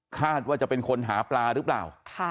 คาดว่าจะเป็นคนหาปลาหรือเปล่า